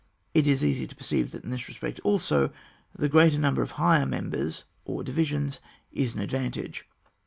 It is easy to perceive that in this respect also the great number of higher members or divisions is an advantage.